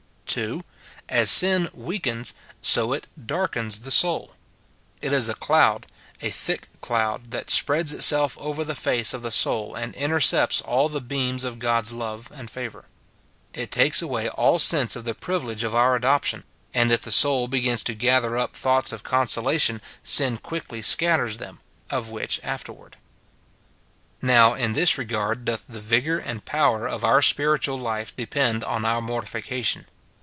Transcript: [2,] As sin weakens, so it darkens the soul. It is a cloud, a thick cloud, that spreads itself over the face of the soul, and intercepts all the beams of God's love and favour. It takes away all sense of the privilege of our adoption ; and if the soul begins to gather up thoughts of consolation, sin quickly scatters them : of which after ward. 180 MORTIFICATION OF Now, in this regard doth the vigour and power of our spiritual life depend on our mortification.